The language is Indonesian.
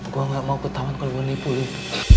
gue gak mau ke taman kalau lu nipu liv